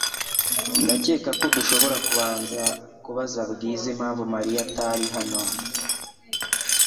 Ndakeka ko dushobora kubaza Bwiza impamvu Mariya atari hano